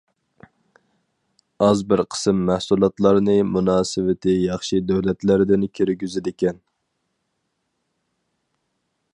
ئاز بىر قىسىم مەھسۇلاتلارنى مۇناسىۋىتى ياخشى دۆلەتلەردىن كىرگۈزىدىكەن.